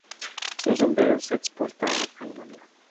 Sus sombreros se exportaban a Alemania.